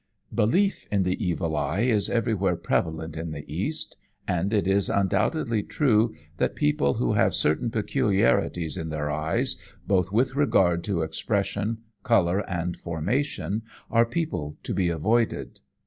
'" Belief in the evil eye is everywhere prevalent in the East, and it is undoubtedly true that people who have certain peculiarities in their eyes, both with regard to expression, colour, and formation, are people to be avoided.